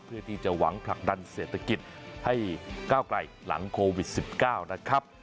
เพื่อที่จะหวังผลักดันเศรษฐกิจให้ก้าวไกลหลังโควิด๑๙นะครับ